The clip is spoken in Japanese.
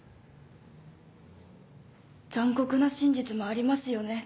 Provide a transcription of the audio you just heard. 残酷な真実もありますよね。